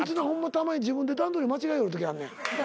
たまに自分で段取り間違えるときあんねん。